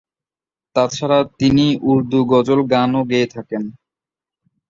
তাছাড়া, তিনি উর্দু গজল গান ও গেয়ে থাকেন।